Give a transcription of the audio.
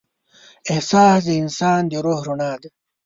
احساس د انسان د روح رڼا ده.